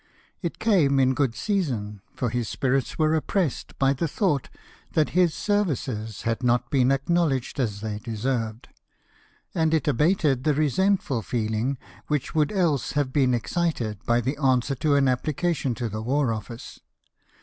It came in good season, for his spirits were oppressed by the thought that his services had not been acknowledged as they deserved; and it abated the resentful feeling which would else have been excited by the answer to an apphcation to the War Office.